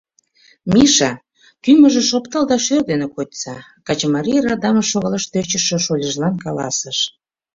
Миша, кӱмыжыш оптал да шӧр дене кочса, — качымарий радамыш шогалаш тӧчышӧ шольыжлан каласыш.